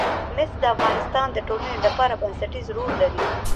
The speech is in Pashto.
مس د افغانستان د ټولنې لپاره بنسټيز رول لري.